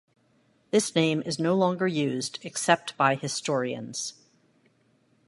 This name is no longer used except by historians.